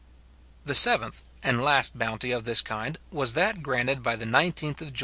The seventh and last bounty of this kind was that granted by the 19th Geo.